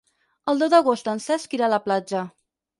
El deu d'agost en Cesc irà a la platja.